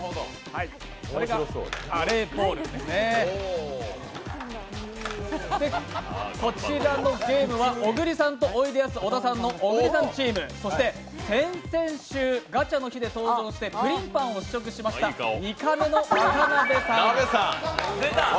これがアレーボールですね、こちらのゲームは小栗さんとおいでやす小田の小栗さんチーム、そして先々週ガチャの日で登場して、こちらのスタッフチームで対戦していただきます。